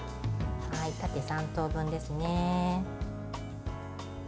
縦３等分ですね。